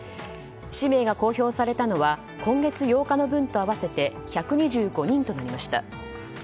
氏名が公表されたのは今月８日の分と合わせて１２５人となりました。